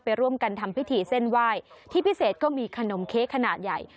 ร่วมกันทำพิธีเส้นไหว้ที่พิเศษก็มีขนมเค้กขนาดใหญ่